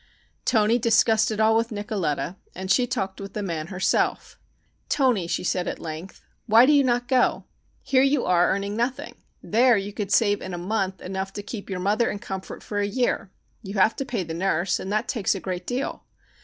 Toni discussed it all with Nicoletta, and she talked with the man herself. "Toni," she said at length, "why do you not go? Here you are earning nothing. There you could save in a month enough to keep your mother in comfort for a year. You have to pay the nurse, and that takes a great deal.